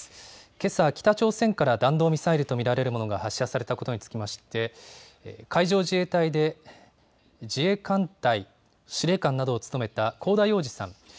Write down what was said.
けさ、北朝鮮から弾道ミサイルと見られるものが発射されたことにつきまして、海上自衛隊で自衛艦隊司令官などを務めた香田洋二さん。